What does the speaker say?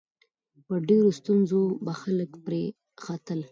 په ډېرو ستونزو به خلک پرې ختل.